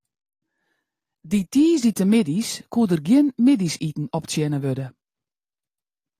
Dy tiisdeitemiddeis koe der gjin middeisiten optsjinne wurde.